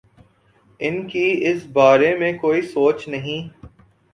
ان کی اس بارے میں کوئی سوچ نہیں؟